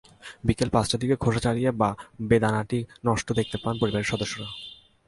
বিকেল পাঁচটার দিকে খোসা ছাড়িয়ে বেদানাটি নষ্ট দেখতে পান পরিবারের সদস্যরা।